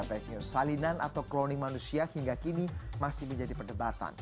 peknya salinan atau cloning manusia hingga kini masih menjadi perdebatan